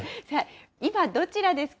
今、どちらですか？